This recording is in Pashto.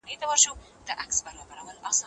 که پښتو قوي وي، نو کلتوري نړۍ به قوي پاتې سي.